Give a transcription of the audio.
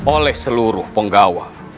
oleh seluruh penggawa